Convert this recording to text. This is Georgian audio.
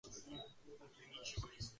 ხშირად მართავდა წარმოდგენებს პროვინციებში.